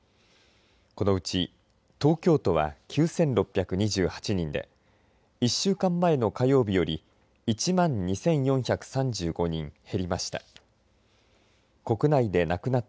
このうち東京都は９６２８人で１週間前の火曜日より１万２４３５人減りました。